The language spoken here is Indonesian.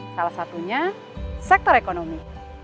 salah satunya sektor ekonomi